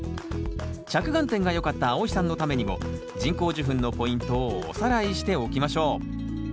着眼点がよかったあおいさんのためにも人工授粉のポイントをおさらいしておきましょう。